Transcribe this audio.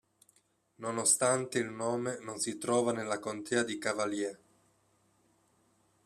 Nonostante il nome non si trova nella Contea di Cavalier.